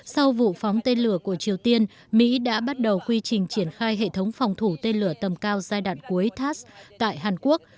sau vụ phóng tên lửa của triều tiên mỹ đã bắt đầu quy trình triển khai hệ thống phòng thủ tên lửa tầm cao giai đoạn cuối tass tại hàn quốc